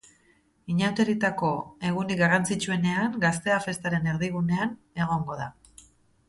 Inauterietako egunik garrantzitsuenean, gaztea festaren erdigunean egongo da.